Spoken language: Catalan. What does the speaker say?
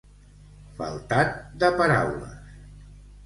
Faltat de paraules.